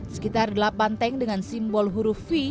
sekitar delapan tank dengan simbol huruf v